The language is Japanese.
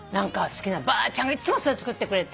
ばあちゃんがいっつもそれ作ってくれて。